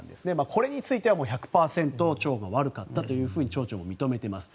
これについては１００％町も悪かったというふうに町長も認めています。